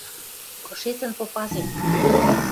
Кышецӹн попазен